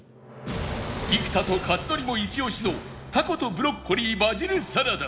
生田と克典もイチオシのたことブロッコリーバジルサラダ